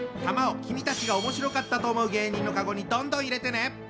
玉を君たちがおもしろかったと思う芸人のカゴにどんどん入れてね。